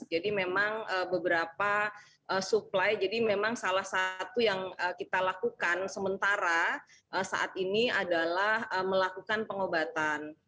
jadi memang beberapa supply jadi memang salah satu yang kita lakukan sementara saat ini adalah melakukan pengobatan